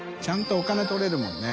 お金取れるもんね。